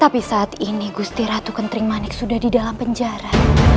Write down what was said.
tapi saat ini gusti ratu kenting manik sudah di dalam penjara